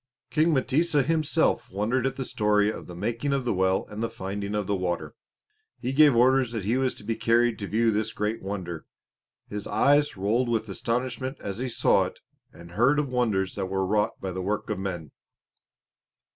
King M'tesa himself wondered at the story of the making of the well and the finding of the water. He gave orders that he was to be carried to view this great wonder. His eyes rolled with astonishment as he saw it and heard of the wonders that were wrought by the work of men.